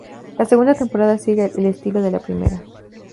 La segunda temporada sigue el estilo de la primera.